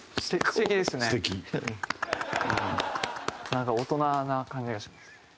なんか大人な感じがします。